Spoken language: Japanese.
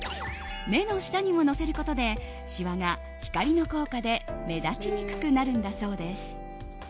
目の下にも乗せることでシワが光の効果で目立ちにくくなるんだそうです。